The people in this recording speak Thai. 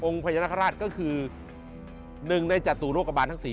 องค์พญานคาราชก็คือหนึ่งในจัตรูโรคบาลทั้งสี่